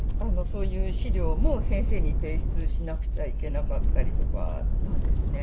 そういう資料も先生に提出しなくちゃいけなかったりとかなんですね。